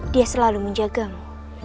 dia selalu menjagamu